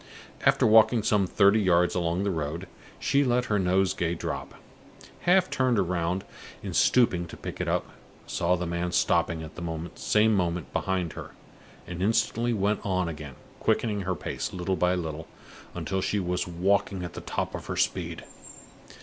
After walking some thirty yards along the road, she let her nosegay drop, half turned round in stooping to pick it up, saw the man stopping at the same moment behind her, and instantly went on again, quickening her pace little by little, until she was walking at the top of her speed.